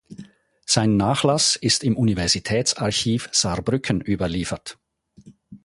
Sein Nachlass ist im Universitätsarchiv Saarbrücken überliefert.